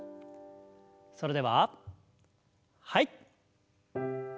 それでははい。